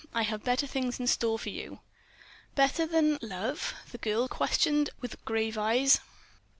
I have better things in store for you." "Better than—love?" the girl questioned with grave eyes.